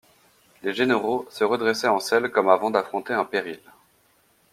Les généraux se redressaient en selle comme avant d'affronter un péril.